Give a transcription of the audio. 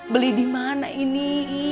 beli di mana ini